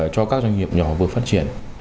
cho các doanh nghiệp nhỏ vừa phát triển